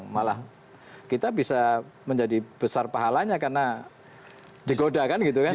malah kita bisa menjadi besar pahalanya karena digoda kan gitu kan